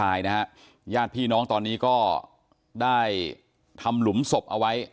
ตายนะฮะญาติพี่น้องตอนนี้ก็ได้ทำหลุมศพเอาไว้